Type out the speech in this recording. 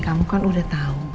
kamu kan udah tahu